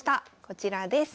こちらです。